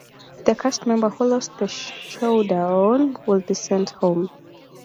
The cast member who lost the showdown would be sent home.